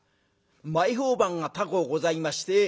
前評判が高うございましてまあ